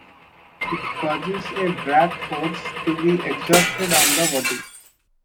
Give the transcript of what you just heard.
It causes a drag force to be exerted on the body.